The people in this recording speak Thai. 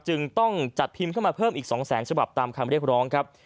จึงต้องจัดพิมพ์เข้ามาเพิ่มอีก๒แสนฉบับตามคำเรียกร้องครับ